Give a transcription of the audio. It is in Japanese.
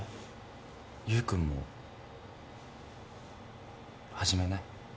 優君も始めない？